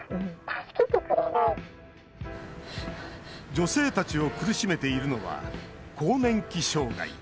女性たちを苦しめているのは更年期障害。